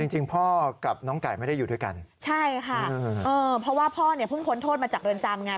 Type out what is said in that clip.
จริงพ่อกับน้องไก่ไม่ได้อยู่ด้วยกันใช่ค่ะเออเพราะว่าพ่อเนี่ยเพิ่งพ้นโทษมาจากเรือนจำไง